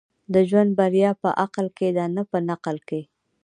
د ژوند بريا په عقل کي ده، نه په نقل کي.